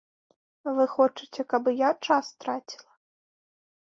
Вы хочаце, каб і я час траціла?